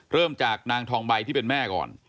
เริ่มจากนางทองใบที่เป็นแม่ก่อน